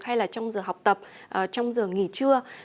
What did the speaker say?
hay là trong giờ học tập trong giờ nghỉ trưa